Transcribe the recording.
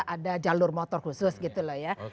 ada jalur motor khusus gitu loh ya